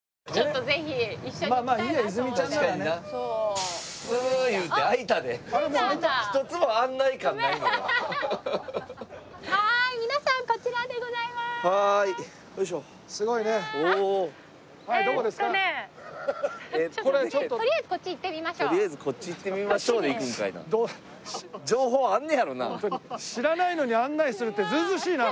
「とりあえずこっち行ってみましょう」で行くんかいな。